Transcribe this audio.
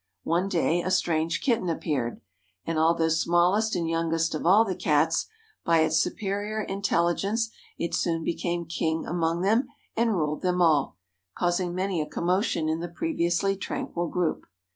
One day a strange kitten appeared, and although smallest and youngest of all the Cats, by its superior intelligence it soon became king among them and ruled them all, causing many a commotion in the previously tranquil group.